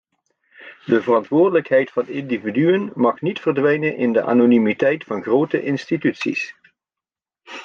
De verantwoordelijkheid van individuen mag niet verdwijnen in de anonimiteit van grote instituties.